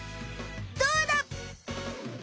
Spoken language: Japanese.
どうだ！